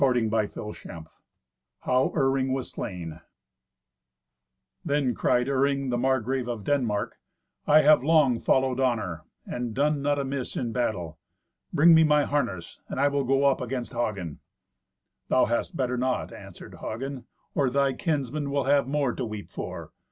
Thirty Fifth Adventure How Iring Was Slain Then cried Iring, the Margrave of Denmark, "I have long followed honour, and done not amiss in battle. Bring me my harness, and I will go up against Hagen." "Thou hadst better not," answered Hagen, "or thy kinsmen will have more to weep for.